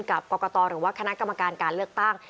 กับกรกตหรือว่าคณะกรรมการการเลือกตั้ง